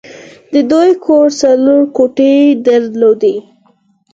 د دوی کور څلور کوټې درلودې